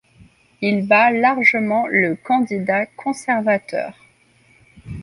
Il bat largement le candidat conservateur.